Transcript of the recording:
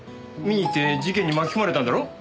見に行って事件に巻き込まれたんだろ？